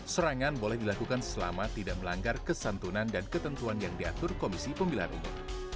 serangan boleh dilakukan selama tidak melanggar kesantunan dan ketentuan yang diatur komisi pemilihan umum